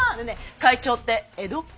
会長って江戸っ子？